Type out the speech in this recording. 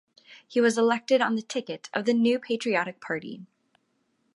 He was elected on the ticket of the New Patriotic Party.